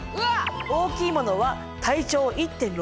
大きいものは体長１．６ｍ。